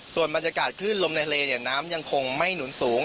ส่วนบรรยากาศคลื่นลมในทะเลน้ำยังคงไม่หนุนสูง